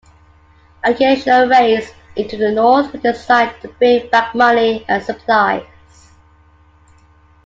Occasional raids into the North were designed to bring back money and supplies.